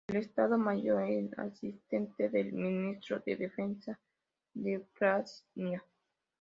El Estado Mayor es asistente del Ministro de Defensa de Ucrania.